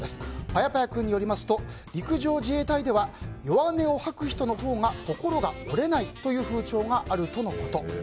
ぱやぱやくんによりますと陸上自衛隊では弱音を吐く人のほうが心が折れないという風潮があるとのこと。